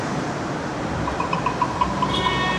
که مسلمان ذمي ووژني سزا ورکول کېږي.